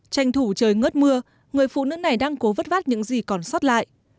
tranh thủ trời ngớt mưa người phụ nữ này đang cố vất vát những gì còn sót lại